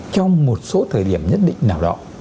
trong một số thời điểm nhất định nào đó